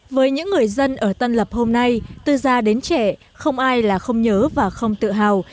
với những người dân ở tân lập hôm nay từ già đến trẻ không ai là không nhớ và không tự hào